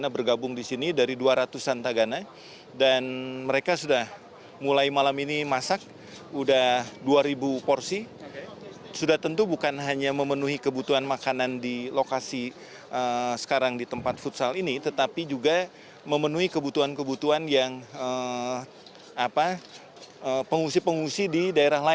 bersama saya ratu nabila